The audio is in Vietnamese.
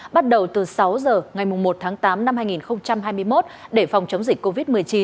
bắt đầu từ sáu giờ ngày một tháng tám năm hai nghìn hai mươi một để phòng chống dịch covid một mươi chín